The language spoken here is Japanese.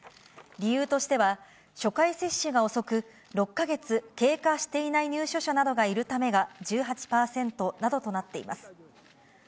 理由としては、初回接種が遅く、６か月経過していない入所者などがいるためが１８％などとなっています。